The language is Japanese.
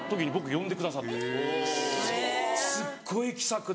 すっごい気さくで。